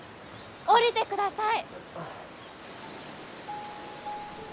下りてください！